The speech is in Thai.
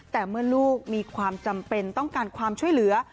แต่เมื่อลูกมีความจำเป็นต้องการความช่วยเหลือ